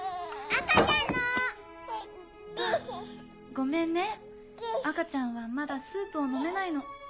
あぁごめんね赤ちゃんはまだスープを飲めないの。